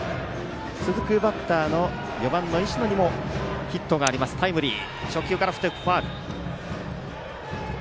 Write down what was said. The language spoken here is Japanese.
続くバッターの４番の石野にもヒットがあります、タイムリー。